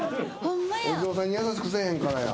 お地蔵さんに優しくせえへんからや。